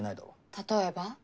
例えば？